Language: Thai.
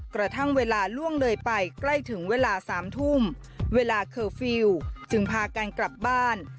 กระทั่งเวลาล่วงเลยไปใกล้ถึงเวลา๓ทุ่มเวลาเคอร์ฟิลล์จึงพากันกลับบ้าน